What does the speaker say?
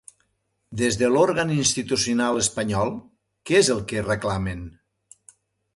Des de l'òrgan institucional espanyol, què és el que reclamen?